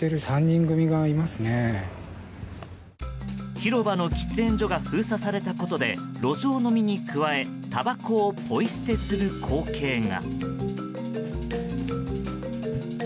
広場の喫煙所が封鎖されたことで路上飲みに加えたばこをポイ捨てする光景が。